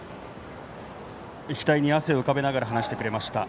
額に汗を浮かべながら話してくれました。